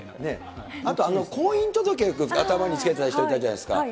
あと、婚姻届、頭につけてた人いたじゃないですか。